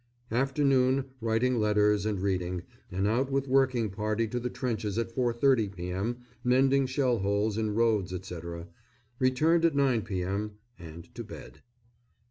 Afternoon, writing letters and reading, and out with working party to the trenches at 4.30 p.m., mending shell holes in roads, etc. Returned at 9 p.m., and to bed.